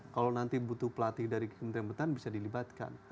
kalau nanti butuh pelatih dari kementerian pertahanan bisa dilibatkan